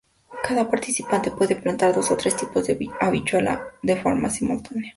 Cada participante puede plantar dos o tres tipos de habichuela de forma simultánea.